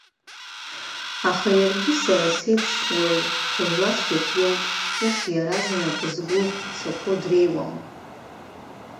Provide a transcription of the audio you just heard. Аха иаргьы сара сеиԥш уаҩ хәыжәлацәгьак иоуп, ус иаразнак згәы цақәо дреиуам.